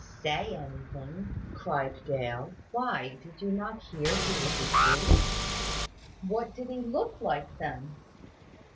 "Say anything!" cried Dale: "why, did you not hear he was asleep?" "What did he look like, then?"